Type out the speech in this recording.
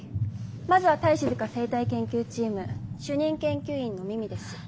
まずは対しずか生態研究チーム主任研究員のミミです。